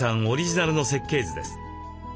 オリジナルの設計図です。